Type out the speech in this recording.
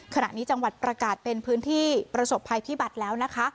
ขณะนี้จังหวัดประกาศเป็นพื้นที่ประสบภัยพิบัติแล้วนะคะ